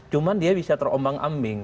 cuma dia bisa terombang ambing